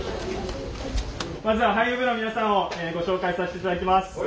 まずは俳優部の皆さんをご紹介させて頂きます。